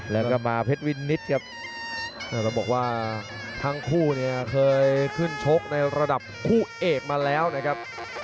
แล้วก็มาเพชรวินิตครับต้องบอกว่าทั้งคู่เนี่ยเคยขึ้นชกในระดับคู่เอกมาแล้วนะครับ